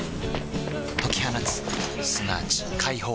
解き放つすなわち解放